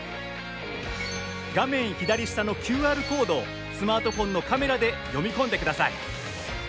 画面左下のＱＲコードをスマートフォンのカメラで読み込んでください。